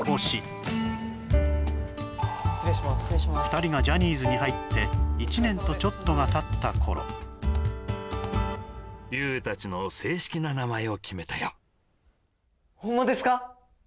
２人がジャニーズに入って１年とちょっとがたった頃Ｙｏｕたちの正式な名前を決めたよホンマですか？